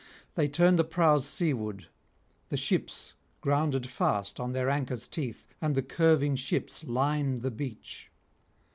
They turn the prows seaward; the ships grounded fast on their anchors' teeth, and the curving ships line the beach.